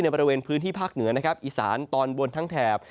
บริเวณพื้นที่ภาคเหนือนะครับอีสานตอนบนทั้งแถบ